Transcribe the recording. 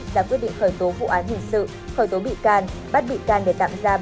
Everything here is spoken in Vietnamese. ra quyết định khởi tố vụ án hình sự khởi tố bị can bắt bị can để tạm giam